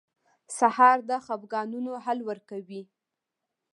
سهار د خفګانونو حل ورکوي.